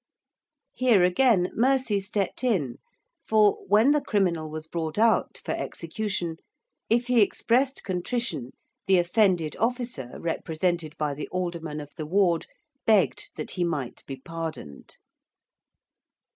Here, again, mercy stepped in; for, when the criminal was brought out for execution, if he expressed contrition the offended officer, represented by the Alderman of the Ward begged that he might be pardoned.